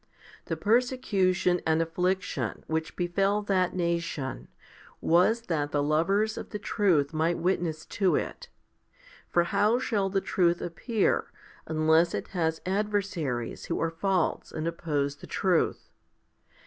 The persecution and affliction which befell that nation was that the lovers of the HOMILY XVII 149 truth might witness to it. For how shall the truth appear, unless it has adversaries who are false and oppose the truth?